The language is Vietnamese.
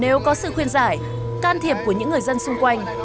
nếu có sự khuyên giải can thiệp của những người dân xung quanh